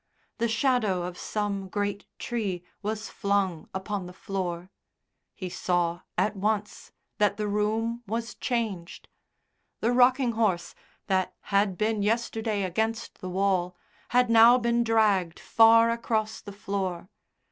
The shadow of some great tree was flung upon the floor. He saw, at once, that the room was changed. The rocking horse that had been yesterday against the wall had now been dragged far across the floor.